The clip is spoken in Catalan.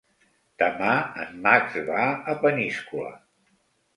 Demà en Max va a Peníscola.